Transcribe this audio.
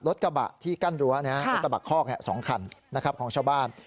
รถกระบะที่กั้นรั้วรถกระบะคอก๒คันของชาวบ้าน